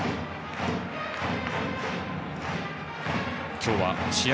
今日は試合